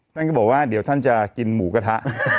ท่านก็บอกว่าเดี๋ยวท่านจะกินหมูกระทะ